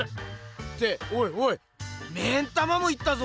っておいおい目ん玉もいったぞ！